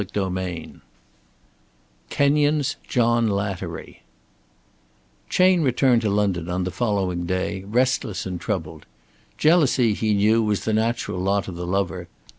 CHAPTER XV KENYON'S JOHN LATTERY Chayne returned to London on the following day, restless and troubled. Jealousy, he knew, was the natural lot of the lover.